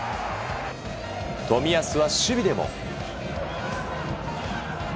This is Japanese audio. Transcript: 冨安は守備でも。